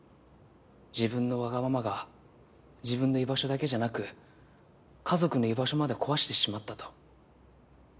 自分のわがままが自分の居場所だけじゃなく家族の居場所まで壊してしまったと。